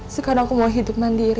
sekarang aku mau hidup mandiri